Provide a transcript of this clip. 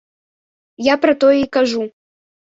Я пра тое і кажу.